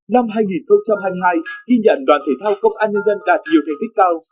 năm hai nghìn hai mươi hai ghi nhận đoàn thể thao công an nhân dân đạt nhiều thành tích cao